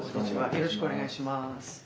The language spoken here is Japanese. よろしくお願いします。